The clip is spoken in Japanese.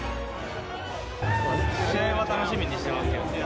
試合は楽しみにしてますけどね。